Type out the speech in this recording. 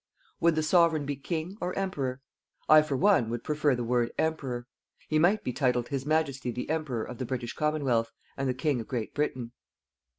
Would the Sovereign be King or Emperor? I, for one, would prefer the word EMPEROR. He might be titled His Majesty the Emperor of the British Commonwealth and the King of Great Britain.